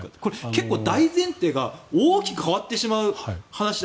結構、大前提が大きく変わってしまう話。